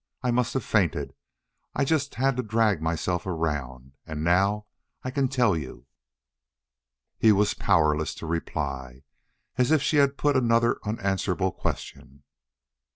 "I must have fainted. I just had to drag myself around.... And now I can tell you." He was powerless to reply, as if she had put another unanswerable question.